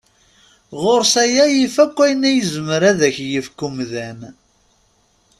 Ɣur-s aya yif akk ayen yezmer ad ak-yefk umdan.